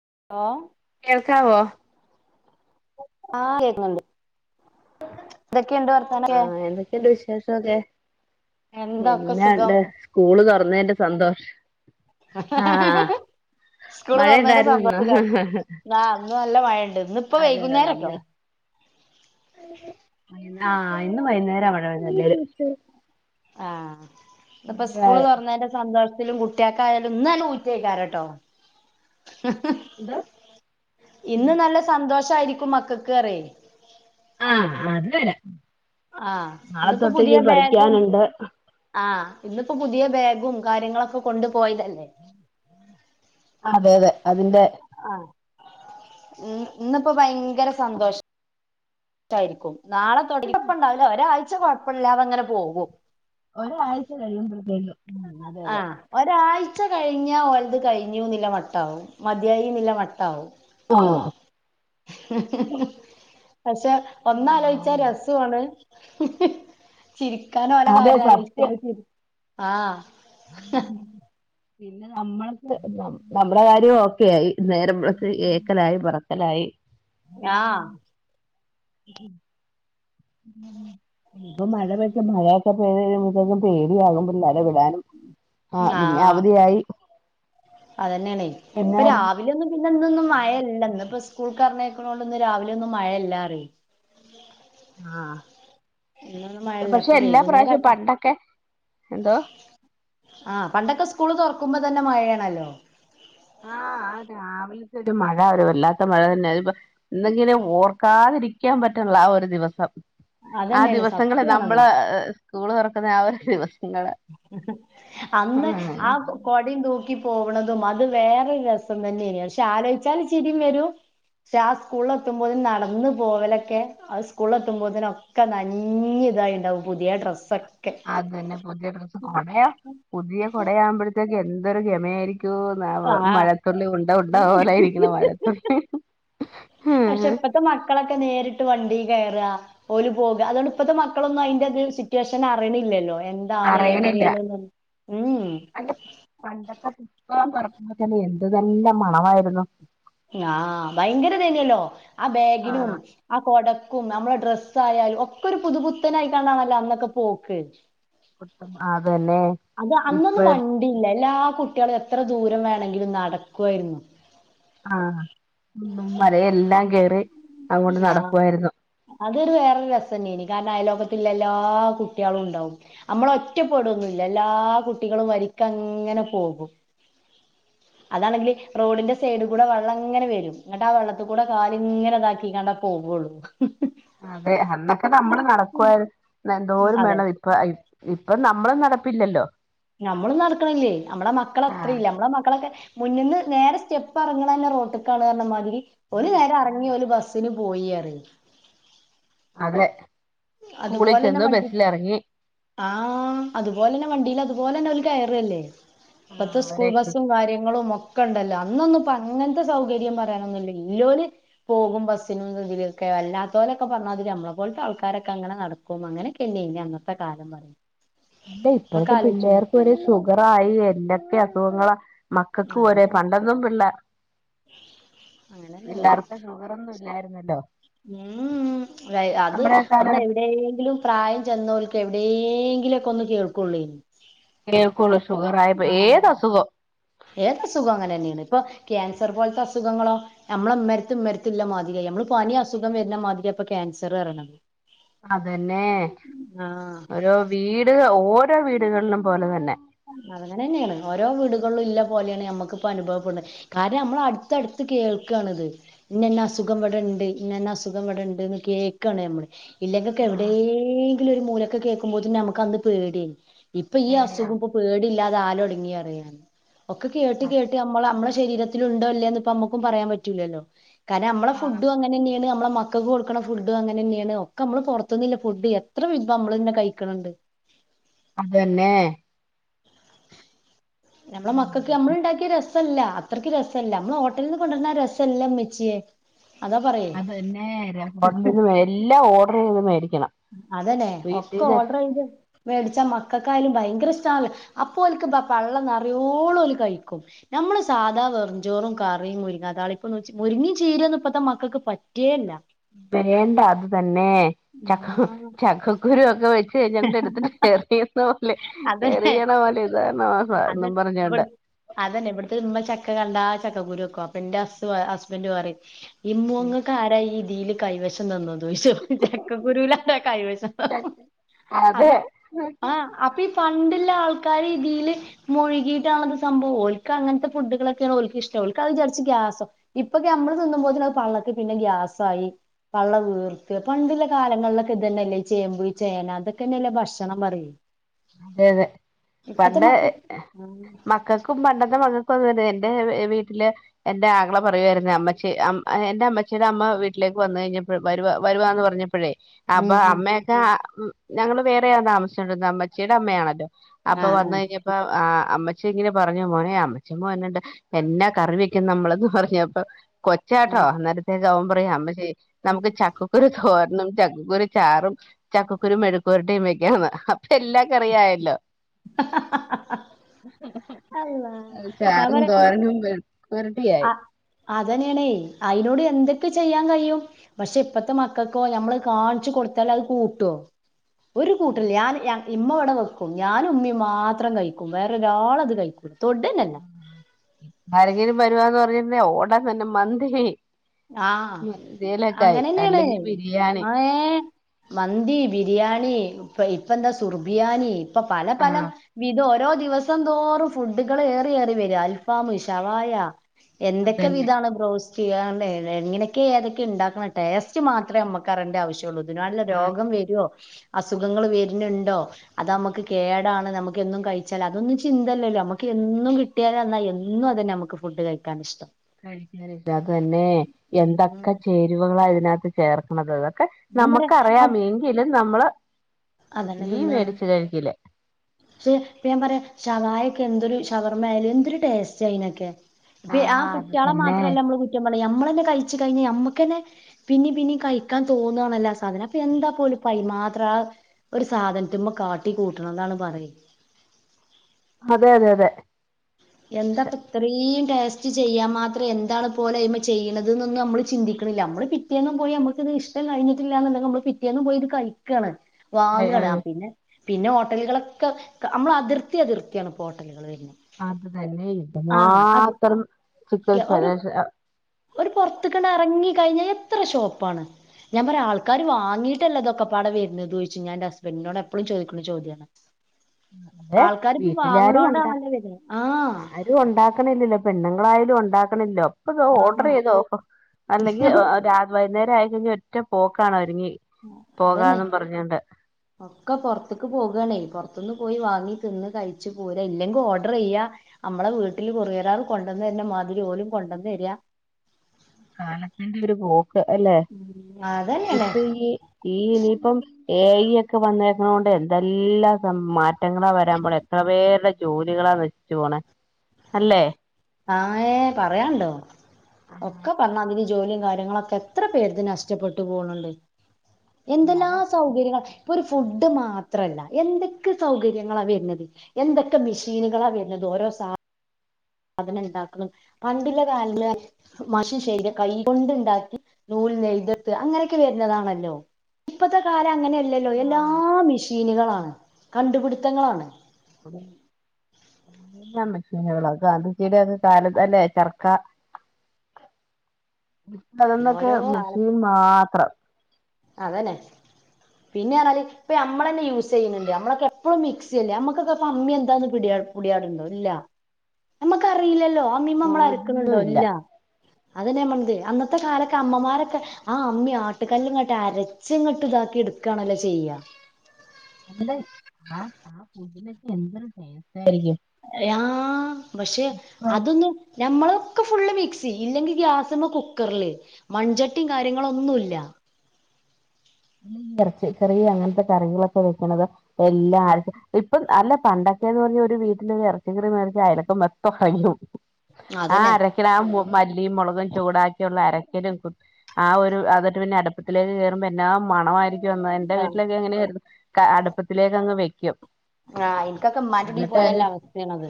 [unintelligible] ക്യാവാ ആഹ് കേക്കുന്നുണ്ട് എന്തോക്കെണ്ട് വർത്താനൊക്കെ? ആഹ് എന്തൊക്കെയുണ്ട് [unintelligible] എന്തൊക്കെ സുഖം എന്നാണ്ട് സ്കൂള്തുറന്നതിന്റെ സന്തോഷം ആഹ് ഹഹഹഹ സ്കൂള് തൊറന്നതിന്റെ മഴയുണ്ടായിരുന്നോ സന്തോഷത്തിലാ ഇന്ന് [unintelligible] അ നല്ലമഴണ്ട് ഇന്ന്ഇപ്പൊ വൈകുന്നേരംട്ടോ ആഹ വൈന്നേരാ [unintelligible] ആഹ ന്ന്പ്പോ സ്കൂള് തുറന്നതിന്റെ സന്തോ [unintelligible] കുട്ടിക്കായാലും ഇന്നല്ല ഊറ്റേയ്ക്കരട്ടോ [unintelligible] എന്തോ ഇന്ന്നല്ല സന്തോഷായിരിക്കും മക്കൾക്ക്അറയ് ആഹ അത് നേര ആഹ ഇന്ന്പ്പൊപുതിയബാഗും പഠിക്കാനുണ്ട് ആഹ ഇന്നിപ്പോപുതിയ ബാഗും കാര്യങ്ങളൊക്കെ കൊണ്ട്പോയതല്ലേ അതെഅതെ അതിന്റെ ആഹ ഇന്നിപ്പോഭയങ്കര സന്തോഷം [unintelligible] നാളെതൊടങ്ങി കുഴപ്പുണ്ടാവില്ലാ ഒരാഴ്ച്ചകൊഴപ്പല്ലതെങ്ങനെ പോകും ഒരാഴ്ച്ചകയിമ്പോൾതേക്കും ആഹ ഒരാഴ് ഉച്ചകഴിഞ്ഞാൽ ഓൽത് കഴിഞ്ഞുനില്ല മട്ടാവും മതിയായിനില്ല മട്ടാവും [unintelligible] [unintelligible] പക്ഷെ ഒന്നാലോയിച്ചാ രസൊണ് [unintelligible] ചിരിക്കാനോലെ അതെ കാര്യ സത്യം [unintelligible] ആ [inaudible] പിന്നെ നമ്മൾക്ക് നമ്മുടെകാര്യംഒക്കെയായി നേരംവെൾത്ത് ഏക്കലായിപറ ലായി ആഹ [inaudible] ഇപ്പൊ മഴ [unintelligible] പേടിയാകും പിള്ളേരെ ആഹ പിന്നെ അവധിയായി അതന്നെയണേ ഇപ്പൊ എന്നായിരുന്നു രാവില ഒന്നും ന്തൊന്നും മഴയല്ല ഇപ്പ സ്കൂൾ കറഞ്ഞക്കുന്ന കൊണ്ട്ൊന്ന് രാവിലെ ഒന്നും മഴയല്ല അറി ആഹ മഴല്ല പക്ഷെ ഇപ്പൊ എല്ലാ പ്രാവശ്യവും വൈകുന്നേരാട്ടോ പണ്ടൊക്കെ എന്തോ ആ പണ്ടൊക്കെ സ്കൂള് തുറക്കുമ്പോ തന്നെ മഴയാണല്ലോ ആഹ അ രാവിലത്തെ ഒരു മഴ അവരുമല്ലാത്ത മ മഴ തന്നെ അതിപ്പ എന്തെങ്ങനെ ഓർക്കാതിരിക്കാൻ പറ്റുള്ള ആ ഒരു ദിവസം ആ അതന്നെയാണ് ദിവസങ്ങള് സത്യാണത് നമ്മള് സ്കൂള് തുറക്കുന്ന ആ ഒരു ദിവസം അന്ന് ആ ആഹ് കൊടിം തൂക്കി പോവണതും അത് വേറെൊരു രസം തന്നെയ പക്ഷെ ആലോചിച്ചാല് ചിരിം വരും പക്ഷെ ആ സ്കൂളിൽ എത്തുമ്പോന് നടന്നു പോവലൊക്കെ ആ സ്കൂളിൽ എത്തുമ്പോതിനൊക്കെ നഞ്ഞ ഇതായി ഉണ്ടാവും പുതിയ ഡ്രസൊക്കെ അത് തന്നെ പുതിയ ഡ്രസ്സ് [unintelligible] ആഹ് മഴത്തുള്ളി ഉണ്ട ഉണ്ട പോലൊയിരിക്കുന്ന മഴത്തുള്ളി പക്ഷെ ഇപ്പത്തെ മക്കളൊക്കെ നേരിട്ട് വണ്ടി കേയറഓല പോകുക അതുകൊണ്ട് ഇപ്പഴത്തെ മക്കളൊന്നും അതിന്റെ സിറ്റുവേഷൻ അറിയണില്ലല്ലോ എന്താണ് അറിയണില്ല എങ്ങനെയാണ്ന്ന് ഉം അ പണ്ടത്തെ ഇ പറക്കുമ്പ തന്നെ എന്ത് തന്നെ മണമായിരുന്നു ആ് ഭയങ്കര തന്നെയല്ലോ ആ ബാഗിനും ആഹ് ആ കൊട കും നമ്മള ഡ്രസ്സ് ആായാലും ഒക്കെ ഒരു പുതുപുത്തനായിക്കണ്ടാണല്ലോ അന്നൊക്കെ പോക്ക് ട്ട ആ അത് അന്നൊന്നും വണ്ടില്ല എല്ലാ കുട്ട കുട്ടികൾ എത്ര ദൂരം വേണമെങ്കിലും നടക്കുവായിരുന്നു ആഹ ഒന്നും മലയെല്ലാം കേറി അങ്ങോട്ട് ആ നടക്കുവായിരുന്നു അതൊരു വേറൊരു രസം തന്നെയനി കാരണംയാലും എല്ലാ കുട്ടികളും ഉണ്ടാവും നമ്മള ഒറ്റപ്പെടൊന്നില്ല എല്ലാ കുട്ടികളും വരിക്കങ്ങ ഇങ്ങനെ പോകും അതാണെങ്കില് റോഡിന്റെ സൈഡ് കൂടെ വെള്ളം അങ്ങനെ വരും എന്നങ്ങിട്ട് ആ വെള്ളത്തിൽ കൂടെ കാല ഇങ്ങനെ ഇതാക്കി ണ്ട പോവുള്ളൂ അതെ അന്നൊക്കെ നമ്മള് നടക്കുവ എന്തോ ഒരു അതെ മേളം ഇപ്പ ഇപ്പൊ നമ്മളെ നടപ്പില്ലല്ലോ നമ്മള നടക്കണില്ലേ നമ്മടെ മക്കള അത്ര ആഹ് ഇല്ല നമ്മളടെ മക്കളൊക്കെ മുന്നിന്ന് നേരെ സ്റ്റെപ്പ് ഇറങ്ങണം എന്നന്നെ റോട്ടക്കാണ് കാരണമാതിരി ഒരു നേരം ഇറങ്ങി ഒരു ബസ്സിന് പോയി റി അതെ സ്കൂളിൽ ചെന്നു ബസ്സൽ ഇറങ്ങി ആഹ് അതുപോലെന്നെ വണ്ടിൽ അതുപോലെ തന്നെ ഒരു കയറല്ലേ ഇപ്പത്തെ ആഹ് സ്കൂൾ ബസും കാര്യങ്ങളും ഒക്കെ ണ്ടല്ലോ അന്നൊന്നും ഇപ്പ അങ്ങനത്തെ സൗകര്യം പറയാനൊന്നുമല്ല ഇല്ലോര് പോകും ബസ്സിനുംന്തെൊക്കെ വല്ലാത്തോലൊക്കെ പറഞ്ഞാതിരി നമ്മളെ പോലത്തെ ആൾക്കാരൊക്കെ അങ്ങനെ നടക്കും അങ്ങനെയൊക്കെ ല്ലെനി അന്നത്തെ കാലം പറയും അല്ല ഇപ്പൊക്കെ ഇപ്പോഴത്തെ ആലോചിച്ചും പിള്ളേർക്ക് വരെ ഷുഗറായി എല്ലൊക്കെ അസുഖങ്ങള മക്കൾക്ക് ഒരേ അതന്നെ പണ്ടൊന്നും പിള്ള അങ്ങനെന്നെയാണ് [unintelligible] പിളേളർക്ക് ല്ലായിരുന്നല്ലോ ഉം അത് നമ്മടെ കാലഘട്ട എവിടെയെങ്കിലും പ്രായം ചെന്നവർക്ക് എ എന്തെങ്കിലൊക്കെ ഒന്ന് കേൾക്കുള്ളൂ കേക്കള സുഖർായി ഏതാസുഖം ഏത് അസുഖം അങ്ങനെ തന്നെയാണ് ഇപ്പൊ ക്യാൻസർ പോലത്തെ അസുഖങ്ങളോ നമ്മളെ മരത്തും മരത്തില്ല മാതിരി നമ്മള് പനി അസുഖം വരുന്ന മാതിരിയ അപ്പൊ ക്യാൻസർ ഇറണത് അതന്നെ ഓരോ വീട് ഓരോ വീടുകളിലും പോലെ തന്നെ അങ്ങനെ തന്നെയാണ് ഓരോ വീടുകളും ഇല്ല പോലെയാണ് നമ്മുക്കിപ്പൊ അനുഭവപ്പെടുന്നത് കാരണം നമ്മൾ അടുത്തടുത്ത് കേൾക്കാണ് ഇത് ഇന്നന്നെ അസുഖം ഇവിടണ്ട് ഇന്നന്നെ അസുഖം വെട ഇണ്ട്ന്ന് കേൾക്കാണ് നമ്മള് ഇല്ലെങ്കൊക്കെ എവിടെയെങ്കിലും ഒരു മൂലൊക്കെ കേൾക്കുമ്പോത്തിന് നമുക്ക് അന്ന് പേടിയ ഇപ്പൊ ഈ പേടിയാ അസുഖം പേടില്ലാതെ ആല് ഒടങ്ങി അറിയൻ ഒക്കെ കേട്ട് കേട്ട് നമ്മള് നമ്മളെ ശരീരത്തിൽ ഉണ്ടോ ഇല്ലേന്ന് ഇപ്പ നമ്മക്കും പറയാൻ പറ്റൂലല്ലോ കാരണം നമ്മള ആഹ് ഫുഡും അങ്ങനെന്നെയാണ് നമ്മ മക്കൾക്ക് കൊടുക്ക ഫുഡ് അങ്ങനെന്നെയാണ് ഒക്കെ നമ്മള് പുറത്തൊന്നില്ല ഫുഡ് എത്ര വിം നമ്മള്ന്നെ കഴിക്കണണ്ട് ഉം അതന്നെ നമ്മളെ മക്കൾക്ക് നമ്മള് ഉണ്ടാക്കിയ രസം രസമല്ല അത്രയ്ക്ക് രസമല്ല നമ്മൾ ഹോട്ടലിൽ നിന്ന് കൊണ്ടുവര രസംമല്ലാം മെച്ചിയേ അത് തന്നെ ഹോട്ടല നിന്നന്ന് എല്ലാം ഓർഡർ ചെയ്തരിക്കും അതന്നെ ഒക്കെ ഓർഡർ ചെയ്ത് മേടിച്ച മക്കൾ ക്കായാലും ഭയങ്കര ഇഷ്ടണല്ല അപ്പൊക്ക് പള്ളംറയോള കഴിക്കും നമ്മള് സാധാ കുറഞ്ചോറും കറിയും മുരിങ്ങ അതാളിപ്പൊ മുരിങ്ങി ചീരന്ന് ഇപ്പത്തെ മക്കൾക്ക് പറ്റേല്ല വേണ്ട അത് തന്നെ ചക്ക ആഹ് ചക്കക്കുരു ഒക്കെ വെ ന്റെ അടുത്തി കറിയുന്ന പോലെ അതന്നെ കറിയണ പോലെ ഉദാഹരണമാസ അത് എന്നും പറഞ്ഞോണ്ട് ഇവിടു അതന്നെ ഇവിടുത്തെ നമ്മ ചക്ക ക എന്താ ചക്കകുരുക്ക വെയ്ക്കും അപ്പൊ ൻ്റെ അ ഹസ്ബന്റ് പറയും ഇമ്മൊ ങക്ക് ആരാ ഈ ഈൽ കൈവശം തന്നു തോശോ ചെക്കക്കുരുലല്ല കൈവശം അതെ തന്നു അപ്പൊ അതെ ആഹ് അപ്പ ഈ പണ്ട ആൾക്കാര് തിൽമുഴുകിയിട്ടണ സംഭവംഓക്ക അങ്ങത്തെ ഫുഡുകളൊക്കെയഓ ഇഷ്ട ഗ്യാസോ ഇപ്പൊക്ക നമ്മള് തിന്നുമ്പോ പള്ളക്ക് പിന്നെ ഗ്യാസായി പള്ളവീർക്ക് പണ്ടിള്ള കാലങ്ങളിലൊക്കെ ഇത് തന്നെല്ലേ ചേമ്പ് ചേന അതൊക്കെന്നെയല്ലേ ഭക്ഷണം പറയും അതെ അതെ ഇപ്പത്തെ പണ്ട് മക്കക്ക് ഉം മക്കൾക്കും പണ്ടത്തെ മകൾക്കും എന്റെ വീട്ടില് എന്റെ ആകളെ പറയുായിരുന്നു അമ്മച്ചി എന്റെ അമ്മച്ചിയുടെ അമ്മ വീട്ടില് വന്ന് കഴിഞ്ഞപ്പോ വരു വരുവാന്ന് പറഞ്ഞപ്പോഴേ അപ്പൊ ഉം അമ്മയൊക്കെ ഞങ്ങള് വേറെയാ താമസിച്ചണ്ടിരുന്നത് അമ്മച്ചിയുടെ അമ്മയാണല്ലോ ആഹ് അപ്പൊ വന്ന ആഹ് കഴിഞ്ഞപ്പോ ആഹ് അമ്മച്ചിം ഇങ്ങനെ പറഞ്ഞ മോനെ അമ്മച്ചമ്മോ എന്നണ്ട് എന്നാ കറി വെക്കും നമ്മളന്ന് പറഞ്ഞപ്പ കൊച്ചാട്ടോ ആഹ് അന്നരത്തേക്ക് അവൻ പറയുക അമ്മച്ചി നമുക്ക് ചക്കക്കുരു തോര ഇന്നും ചക്കക്കുരു ചാറും ചക്കക്കുരു മെഴുക്കുവരട്ടിയും വെക്കാന്ന് ചെല്ലാ കറിയായല്ലോ അള്ളാ ചാറുംന്തോരനും മെ ആ അതന്നെയാണേ അയിനോട് എന്തൊക്ക ക്ക് ചെയ്യാൻ കഴിയും പക്ഷെ ഇപ്പത്തെ മക്കൾക്കോ നമ്മള് കാണിച്ചു കൊടുത്തൽ അത് കൂട്ടുവോ ഒരു കൂട്ടിൽ ഞാൻ ഇമ്മ വടെ വെക്കും ഞാനും ഉമ്മിം മാത്രം കഴിക്കും വേറൊ ഒരാളത് കഴിക്കൂല തൊടന്നല്ല ഭരഗീന് പരുവാന്ന് പറഞ്ഞിെ ഓടാൻ തന്നെ മന്തി ആഹ് മന്തിയിലൊക്കെ ആയി അങ്ങനെന്നെയാണ് അല്ലെങ്കിൽ ബിരിയാണി ആഹ് ഏഹ് മന്തി ബിരിയാണി ഇപ്പ എന്താ സുർബിയാനി ഇപ്പ പല പലം ആഹ് വിധോ ഓരോ ദിവസം തോറും ഫുഡുകൾ ഏറി യേറി വര അൽഫാമ് ഷവായ എന്തൊക്കെ അതന്നെ വിതാണ് ബ്രൗസ് ചെയ്യാണ്ടേ എങ്ങനെയൊക്കെ ഏതൊക്കെ ഉണ്ടാക്കുന്ന ടസ്റ്റ് മാത്രമേ നമ്മക്കറിന്റെ ആവശ്യമ ഉള്ളൂ ഇതിനപാള്ള ആഹ് രോഗം വരുവോ അസുഖങ്ങൾ വെര്ണണ്ടോ അത് നമക്ക് കേടാണ് നമുക്ക്ന്നും കഴിച്ചാൽ അതൊന്നും ചിന്തല്ലല്ലോ നമുക്ക് എന്നും കിട്ടിയാലന്നാ എന്നും അതന്നെ നമുക്ക് ഫുഡ് കഴിക്കാൻ ഇഷ്ടം. കഴിക്കാനില്ല അത്തന്നെ എന്തൊക്കെ ചേരുവകളാ ഇതിനകത്ത് ചേർക്കണത്. ഞാൻ പറയാ അ നമുക്ക്റിയാമ എങ്കിലും നമ്മള് അതന്നെ ഈ തിന്നാണ് മേടിച്ച് കഴിക്കില്ലേ ഷേ പ്പോ ഞാൻ പറയാ ഷവായക്കെ എന്തൊരു ഷവർമയായലും എന്തൊരു ടേസ്റ്റ് അയിനൊക്കെ ഇപ്പ ആ ആഹ് അത് കുട്ടിയാളെ തന്നെ മാത്രല്ല നമ്മള് കുറ്റം നമ്മളന്നെ കഴിച്ചു കഴിഞ്ഞാ നമ്മുക്ക് തന്നെ പിന്നെയും പിന്നെയും കഴിക്കാൻ തോന്നുവണല്ലാ സാധനം അപ്പൊ എന്താല മാത്ര ആ ഒരു സാധനത്ത്മ്മെ കാട്ടി കൂട്ടണ എന്നാണ് പറ അതെ അതെ അതെ എന്താപ്പ ഇത്രയും ടേസ്റ്റ് ചെയ്യാൻ മാത്രം എന്താണ് പോലെമ ചെയ്യണതൊന്നും നമ്മള് ചിന്തിക്ക ണില്ല നമ്മള് പിറ്റേന്നും പോയി നമക്ക് ഇഷ്ടം കഴിഞ്ഞിട്ടില്ലാന്നെങ്ക നമ്മള് പിറ്റേന്നും പോയി ഇത് കഴിക്കാണ് വാങ്ങണ് പിന്നെ പിന്നെ ഹോട്ടലുകളൊക്കെ നമ്മൾ അതിർത്തി അതിർത്തിയാണ് ഇപ്പോ ഹോട്ടലുകൾ വരുന്നത് അതന്നെ പിന്നെ ആ അത് എന്തുമാത്രം ചിക്കൻ സര ഒരു മുങ്ങി കഴിഞ്ഞ എത്ര ഷോപ്പാണ് ഞാൻ പറയാം ആൾക്കാര് വാങ്ങയിട്ടല്ലതൊക്കെപ്പാടെ വരുന്നത് ചോദിച്ചു ഞാൻ എന്റെ ഹസ്ബൻ്റിനോട് എപ്പഴും ചോദിക്കുന്ന ചോദ്യമാണ് അതെ വീട്ടിലാരും ഉണ്ടാ വാങ്ങണോണ്ടാണല്ലോ വരുന്നത് ആഹ് ആരും ഉണ്ടാക്കണില്ലല്ലോ പെണ്ണുങ്ങളായാലും ഉണ്ടാക്കണില്ലോ അപ്പം ഓർഡർ ആഹ് ചെയ്ത് നോക്കും അല്ലെങ്കിൽ വൈകുന്നേരം ആയി കഴിഞ്ഞാ ഒറ്റ പോക്കാണോ ഒരുങ്ങി അതന്നെ പോകാന്നും പറഞ്ഞോണ്ട് ഒക്കെ പുറത്തേക്ക് പോകാണേ ത്തുന്ന് പോയി വാങ്ങി തിന്ന് കഴിച്ച് പോരുക ഇല്ലെങ്കിൽ ഓർഡർ ചെയ്യ നമ്മള വീട്ടിൽ കൊറിയറ്കാര് കൊണ്ടുവന്ന് ന്നേ മാതിരി പോലും ഓലും കൊണ്ടോന്ന് തരിയാ കാലത്തിന്റെ ഒരു പോ അല്ലെ അതന്നെയാണ് ഇപ്പൊ ഈ ഈ ഇനിയിപ്പം എ ഐ ഒക്കെ വന്ന ണ്ട് എന്തെല്ലാം മാറ്റങ്ങളാ വരാൻ പോണേ എത്ര പേരുടെ ജോലികളാ നശിച്ചു പോണേ അല്ലേ ആ ഏ പറയനൊണ്ടോ ഒക്കെ പറഞ്ഞതി ജോലിയും കാര്യങ്ങളൊക്കെ എത്ര പേരുടേത് നഷ്ടപ്പെട്ടു പോണുന്നുണ്ട് എന്തെല്ലാം കാലം സൗകര്യങ്ങള ഇപ്പോ ഒരു ഫുഡ് മാത്രല്ല എന്തൊക്കെ സൗകര്യങ്ങളാ വരുന്നത് എന്തൊക്കെ മെഷീനുകളാ വരുന്നത് ഓരോ സ അതിനുണ്ടാക്കണ് പണ്ടില്ല കാലില് മഷി ശരിക്ക് കൈ കൊണ്ടുണ്ടാക്കി നൂ നെയ്തെടുത്തു അങ്ങനെയൊക്കെ വരുന്നതാണല്ലോ ഇപ്പത്തെ കാലം അങ്ങനെ ഇല്ലല്ലോ എല്ലാ ആഹ് മെഷീനുകളാണ് കണ്ടുപിടുത്തങ്ങളാണ് [unintelligible] എല്ലാം മെഷീനുകള അത് ഗാന്ധിജിടൊക്കെ കാലത്ത് അല്ലേ ചർക്ക അതന്നൊക്കെ ഓരോ മെഷീൻ മാത്രം. അതന്നെ പിന്നെ ആണേല് ഇപ്പ നമ്മളന്നെ യൂസ് ചെയ്യുന്നുണ്ട് നമ്മളൊക്കെ എപ്പഴും മിക്സി അല്ലേ നമ്മുക്കെക്ക ഇപ്പ അമ്മി എന്താന്ന് പിടി പിടിപാടുണ്ടോ, ഇല്ല നമ്മക്കറിയില്ലല്ലോ അമ്മീമ്മ നമ്മളരക്കുന്നുണ്ടോ ഒന്നുമില്ല ഇല്ലാ അതന്നെയമ്മളത് അന്നത്തെ കാലൊക്ക അമ്മമാരൊക്കെ ആ അമ്മി, ആട്ടുകല്ലും അരച്ചങ്ങോട്ട് ഇതാക്കി എടുക്കണല്ലോ ചെയ്യാ അല്ലെ ആ ആ പതിലൊക്ക എന്തൊരു ആയിരിക്കും ആ, പക്ഷെ അതൊന്നും ഞമ്മള് ക്കെ ഫുള്ള് മിക്സി ഇല്ലെങ്കി ഗ്യാസ്മ്മെ, കുക്കറില്, മൺചട്ടിയും കാര്യങ്ങളന്നുല്ല ല്ല ഇറച്ചി കറി അങ്ങനത്തെ കറികളൊക്കെ വെക്കണത് എല്ലാ അരക്കും ഇപ്പം അല്ല പണ്ടൊക്കെന്ന് പറഞ്ഞ ഒരു വീട്ടില് ഇറച്ചികറി മേടിച്ചു അയലൊക്കെ മൊത്തം അറിയും ആ അതന്നെ അരക്കിലോ ആ മല്ലിയും, മുളകും, ചൂടാക്കിയുള്ള അര ആ ഒരു അതൊരു പിന്നെ അടുപ്പത്തിലേക്ക് കേറുമ്പോ എന്നാ മണമായിരിക്കും എന്റെ ആഹ് വീട്ടിലൊക്കെ അങ്ങനെ ആയിരുന്ന് അടുപ്പത്തിലേക്ക് അങ്ങ് വെക്കും ആഹ് എനിക്കൊക്കെ ഉമ്മാൻ്റ വീട്ടി എന്നിട്ട് അത് പോയലുള്ള അവസ്ഥയാണത്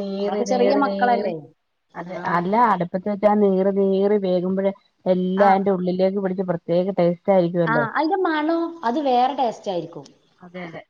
നീറി നമ്മളൊക്കെ ചെറിയ നീറി നീറി മക്കളല്ലേ അതെ, ആഹ് അല്ലാ അടുപ്പ ചാ നീറി നീറി വേകുമ്പഴെ, എല്ലാം അയിന്റെ ഉള്ളിലേക്ക് പിടിച്ച് പ്രത്യേക ട്ടെ ആ അയിന്റെ മണോ, അത് വേറെ ടേസ്റ്റ് ആയിരിക്കും. അതെ അതെ.